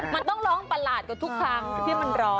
มันต้องร้องประหลาดกว่าทุกครั้งที่มันร้อง